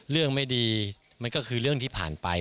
เรื่องไม่ดีมันก็คือเรื่องที่ผ่านไป